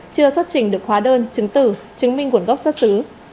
chưa xuất trình được hóa đơn chứng tử chứng minh nguồn gốc xuất xứ